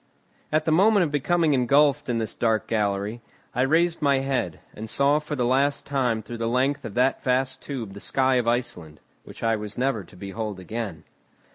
At the moment of becoming engulfed in this dark gallery, I raised my head, and saw for the last time through the length of that vast tube the sky of Iceland, which I was never to behold again.